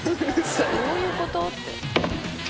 どういうこと？って。